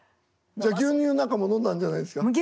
じゃあ牛乳なんかも飲んだんじゃないですか？